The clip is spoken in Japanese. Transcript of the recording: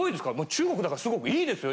中国だからすごく良いですよ